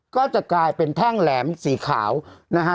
ก็จะกลายเป็นแท่งแหลมสีขาวนะฮะ